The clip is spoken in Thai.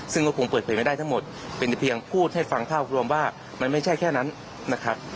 ซึ่งก็คงเปิดเผยไม่ได้ทั้งหมดเป็นเพียงพูดให้ฟังภาพรวมว่ามันไม่ใช่แค่นั้นนะครับ